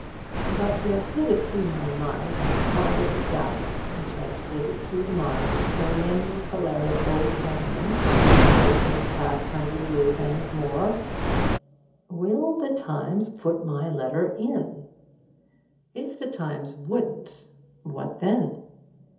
But there flitted through my mind that horrid doubt which has flitted through the minds of so many choleric old gentlemen in the course of the past hundred years and more: 'Will The Times put my letter in?' If The Times wouldn't, what then?